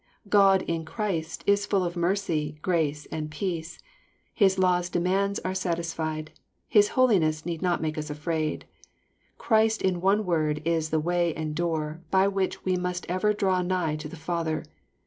— God in Christ is full of mercy, grace, and peace. His law's demands are satisfied. His holiness need not make us afraid. Christ in one word is the way a nd doo r, by which we must ever draw nigh to the Father.